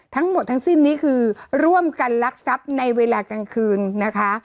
ทั้งหมดทั้งสิ้นนี้คือร่วมกันลักทรัพย์ในเวลากลางคืนนะคะ